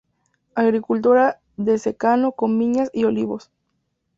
Agricultura de secano con viñas y olivos.